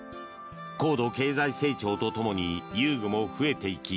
高度経済成長とともに遊具も増えていき